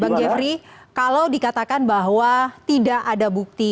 bang jeffrey kalau dikatakan bahwa tidak ada bukti